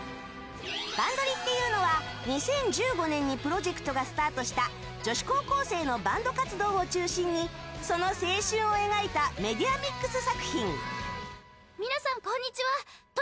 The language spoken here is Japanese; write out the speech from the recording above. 「バンドリ！」っていうのは２０１５年にプロジェクトがスタートした女子高校生のバンド活動を中心にその青春を描いたメディアミックス作品。